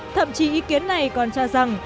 thậm chí ý kiến này còn cho rằng